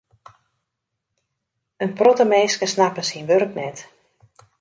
In protte minsken snappe syn wurk net.